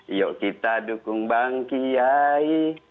yuk kita dukung bang kiai